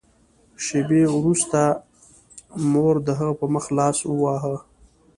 شېبې وروسته مور د هغه په مخ لاس وواهه